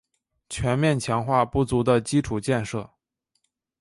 全面强化不足的基础建设